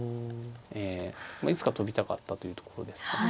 いつか跳びたかったというところですかね。